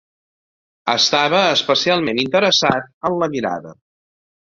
Estava especialment interessat en la mirada.